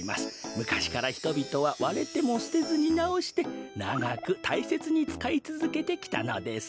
むかしからひとびとはわれてもすてずになおしてながくたいせつにつかいつづけてきたのです。